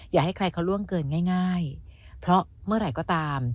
อย่าให้ใครเขาล่วงเกินง่ายเพราะเมื่อไหร่ก็ตาม